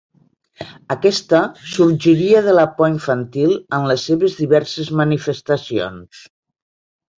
Aquesta sorgiria de la por infantil, en les seves diverses manifestacions.